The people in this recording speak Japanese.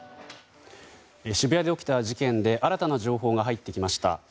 渋谷で起きた事件で新たな情報が入ってきました。